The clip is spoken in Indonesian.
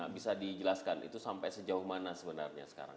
bisa dijelaskan itu sampai sejauh mana sebenarnya sekarang